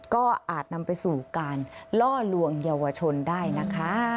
ก็อาจนำไปสู่การล่อลวงเยาวชนได้นะคะ